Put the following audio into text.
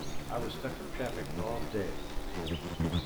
I was stuck in traffic all day!